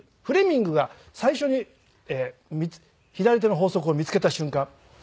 フレミングが最初に左手の法則を見つけた瞬間。